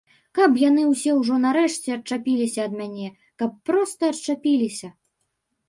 Каб яны ўсе ўжо нарэшце адчапіліся ад мяне, каб проста адчапіліся!